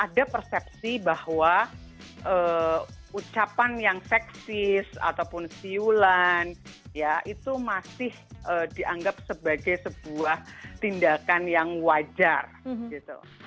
jadi ada persepsi bahwa ucapan yang seksis ataupun siulan ya itu masih dianggap sebagai sebuah tindakan yang wajar gitu